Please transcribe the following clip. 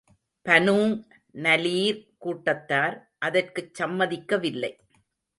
Banu நலீர் கூட்டத்தார் அதற்குச் சம்மதிக்கவில்லை.